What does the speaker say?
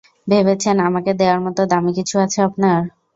ভেবেছেন, আমাকে দেয়ার মতো দামী কিছু আছে আপনার?